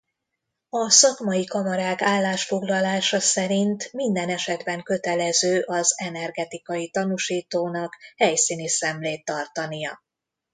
A szakmai kamarák állásfoglalása szerint minden esetben kötelező az energetikai tanúsítónak helyszíni szemlét tartania.